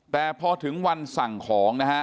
แต่พอถึงวันสั่งของนะฮะ